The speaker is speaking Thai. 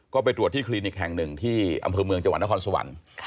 ก็ไปตรวจที่คลินิกแห่งหนึ่งที่อำเภอเมืองจังหวัดนครสวรรค์